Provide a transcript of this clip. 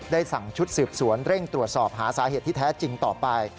สั่งชุดสืบสวนเร่งตรวจสอบหาสาเหตุที่แท้จริงต่อไป